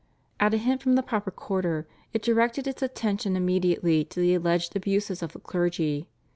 At a hint from the proper quarter it directed its attention immediately to the alleged abuses of the clergy.